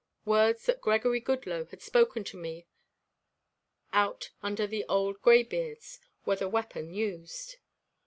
Words that Gregory Goodloe had spoken to me out under the old graybeards were the weapon used.